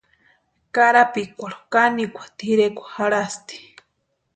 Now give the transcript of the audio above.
Karapikwarhu kanikwa tʼirekwa jarhasti.